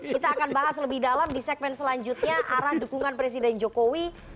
kita akan bahas lebih dalam di segmen selanjutnya arah dukungan presiden jokowi